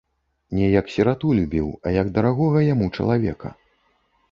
Не як сірату любіў, а як дарагога яму чалавека.